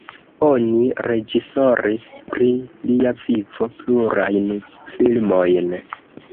Oni reĝisoris pri lia vivo plurajn filmojn.